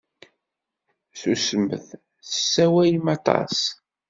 Susmet! Tessawalem aṭas.